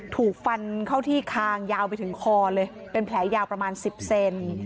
ถูกฟันเข้าที่คางยาวไปถึงคอเลยเป็นแผลยาวประมาณ๑๐เซน